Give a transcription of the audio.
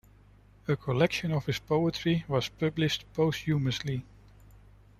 A collection of his poetry was published posthumously.